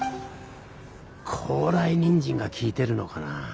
高麗人参が効いてるのかな。